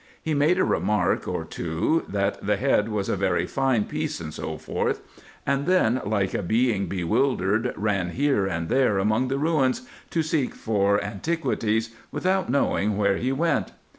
He made a remark or two, that the head was a very fine piece, &c. and then, like a being bewildered, ran here and there among the ruins, to seek for an tiquities, without knowing where he went.